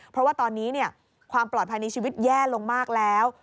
เพราะว่าตอนนี้ความปลอดภัยในชีวิตแย่ลงมากแล้ว